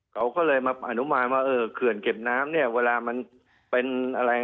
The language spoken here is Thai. เขาก็เลยมาอนุมานว่าเออเขื่อนเก็บน้ำเนี่ยเวลามันเป็นอะไร